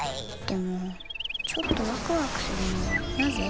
でもちょっとワクワクするのはなぜ？